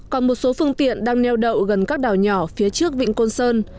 còn một số phương tiện đang neo đậu gần các đảo nhỏ phía trước vịnh cô sơn